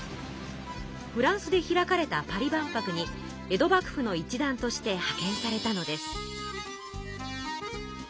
フランスで開かれたパリ万博に江戸幕府の一団として派遣されたのです。